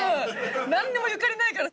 何にもゆかりないから。